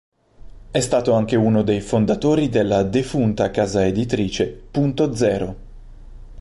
È stato anche uno dei fondatori della defunta casa editrice "Punto Zero".